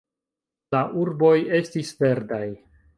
La urboj estis verdaj.